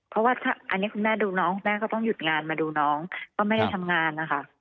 เพราะว่าอันนี้คุณแม่ดูน้องแม่ก็ต้องหยุดงานมาดูน้องก็ไม่ได้ทำงานนะคะ